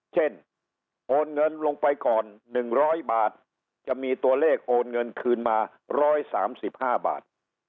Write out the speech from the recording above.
โอนเงินลงไปก่อน๑๐๐บาทจะมีตัวเลขโอนเงินคืนมา๑๓๕บาท